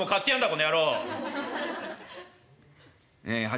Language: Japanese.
この野郎。